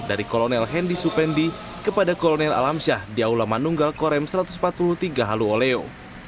dari kolonel hendi supendi kepada kolonel alam syah di aulaman nunggal korem satu ratus empat puluh tiga halu oleo